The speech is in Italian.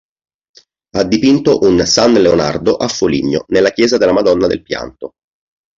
Ha dipinto un "San Leonardo" a Foligno, nella chiesa della Madonna del Pianto.